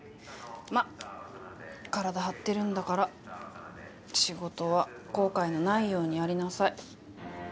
まあ体張ってるんだから仕事は後悔のないようにやりなさい。